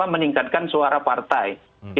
meningkatkan suara partai